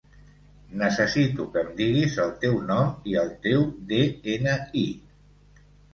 Necessito que em diguis el teu nom i el teu de-ena-i.